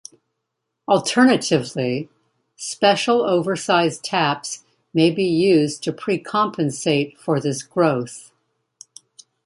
Alternatively, special oversize taps may be used to precompensate for this growth.